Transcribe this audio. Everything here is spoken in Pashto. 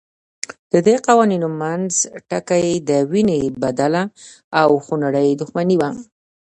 ددې قوانینو منځ ټکی د وینې بدله او خونړۍ دښمني وه.